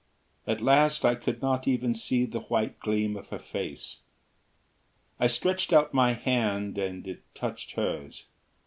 At last I could not even see the white gleam of her face.... I stretched out my hand and it touched hers.